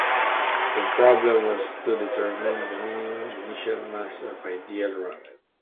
The problem was to determine the minimum initial mass of an ideal rocket.